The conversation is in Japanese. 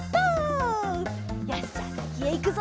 よしじゃあさきへいくぞ！